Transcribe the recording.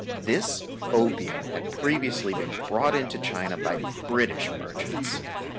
This opium had previously been brought into China by British merchants.